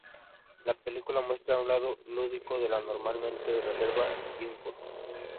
La película muestra un lado lúdico de la normalmente reservada Ginsburg.